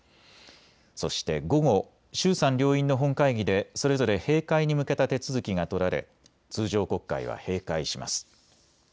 そして午後、衆参両院の本会議でそれぞれ閉会に向けた手続きが取られ通常国会は閉会します。